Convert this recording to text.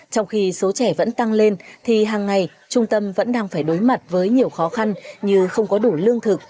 trong khi số trẻ vẫn tăng lên thì hàng ngày trung tâm vẫn đang phải đối mặt với nhiều khó khăn như không có đủ lương thực